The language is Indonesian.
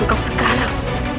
rasakan kau sekarang